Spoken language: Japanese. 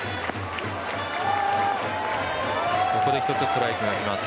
ここで一つストライクが来ます。